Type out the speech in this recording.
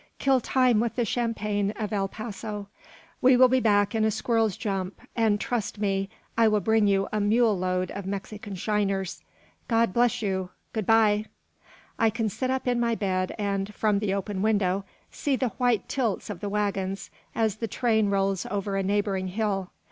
"Kill time with the champagne of El Paso. We will be back in a squirrel's jump; and, trust me, I will bring you a mule load of Mexican shiners. God bless you! Good bye!" I can sit up in my bed and, from the open window, see the white tilts of the waggons, as the train rolls over a neighbouring hill.